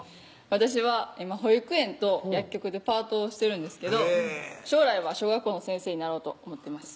私は今保育園と薬局でパートをしてるんですけど将来は小学校の先生になろうと思ってます